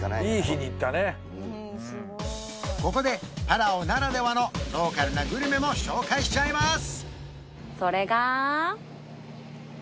ここでパラオならではのローカルなグルメも紹介しちゃいます！